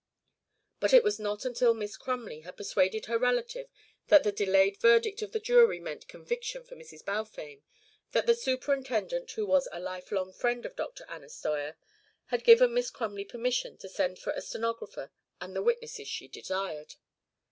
But it was not until Miss Crumley had persuaded her relative that the delayed verdict of the jury meant conviction for Mrs. Balfame that the superintendent, who was a lifelong friend of Dr. Anna Steuer, had given Miss Crumley permission to send for a stenographer and the witnesses she desired.